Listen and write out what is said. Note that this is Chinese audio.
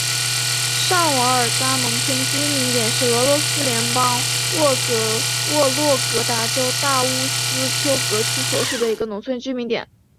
上瓦尔扎农村居民点是俄罗斯联邦沃洛格达州大乌斯秋格区所属的一个农村居民点。